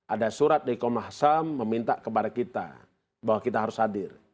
ada surat dari komnas ham meminta kepada kita bahwa kita harus hadir